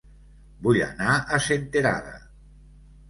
Vull anar a Senterada